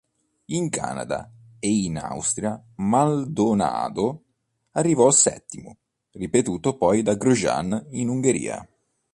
In Canada e in Austria Maldonado arrivò settimo, ripetuto poi da Grosjean in Ungheria.